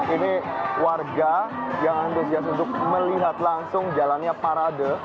ini warga yang antusias untuk melihat langsung jalannya parade